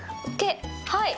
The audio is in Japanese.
はい。